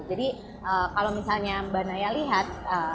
jadi kalau misalnya mbak naya lihat